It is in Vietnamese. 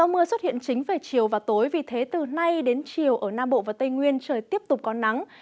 mưa xuất hiện chính về chiều và tối vì thế từ nay đến chiều ở nam bộ và tây nguyên trời tiếp tục có nắng